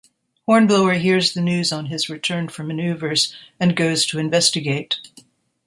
Hornblower hears the news on his return from manoeuvres and goes to investigate.